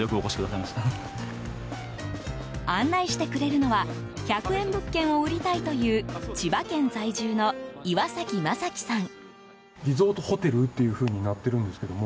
案内してくれるのは１００円物件を売りたいという千葉県在住の岩崎正樹さん。